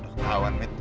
udah tau mit